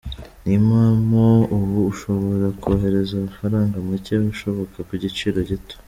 Ni impamo! Ubu ushobora kohereza amafaranga make ashoboka ku giciro gito.